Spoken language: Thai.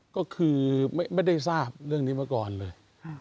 ก็คือไม่ได้ทราบเรื่องนี้มาก่อนเลย